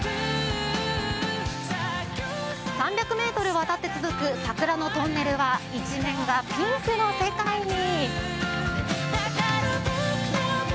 ３００ｍにわたって続く桜のトンネルは一面がピンクの世界に。